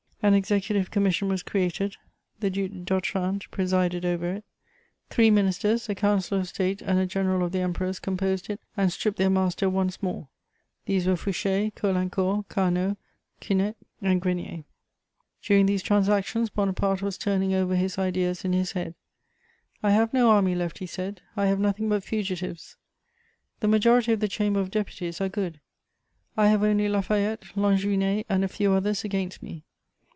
An Executive Commission was created: the Duc d'Otrante presided over it; three ministers, a councillor of State and a general of the Emperor's composed it, and stripped their master once more: these were Fouché, Caulaincourt, Carnot, Quinette and Grenier. During these transactions, Bonaparte was turning over his ideas in his head: "I have no army left," he said; "I have nothing but fugitives. The majority of the Chamber of Deputies are good; I have only La Fayette, Lanjuinais and a few others against me.